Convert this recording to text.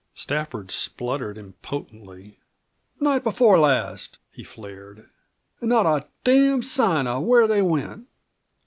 Stafford spluttered impotently. "Night before last," he flared. "An' not a damned sign of where they went!"